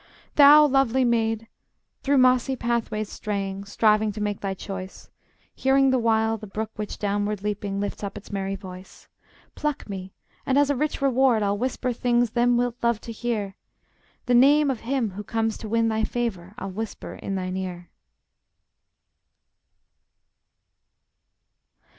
Thou lovely maid, through mossy pathways straying, Striving to make thy choice, Hearing the while the brook which downward leaping, Lifts up its merry voice, Pluck me; and as a rich reward I'll whisper Things them wilt love to hear: The name of him who comes to win thy favor I'll whisper in thine ear!